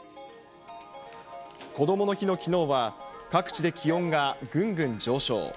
こどもの日のきのうは、各地で気温がぐんぐん上昇。